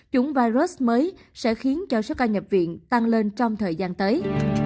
chủng virus mới sẽ khiến cho số ca nhập viện tăng lên trong thời gian tới